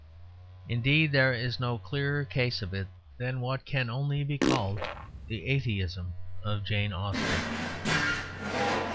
Indeed there is no clearer case of it than what can only be called the atheism of Jane Austen.